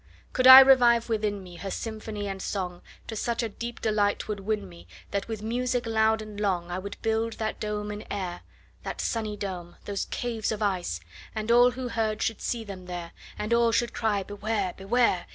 Could I revive within me, Her symphony and song, To such a deep delight 'twould win me, That with music loud and long, 45 I would build that dome in air, That sunny dome! those caves of ice! And all who heard should see them there, And all should cry, Beware! Beware!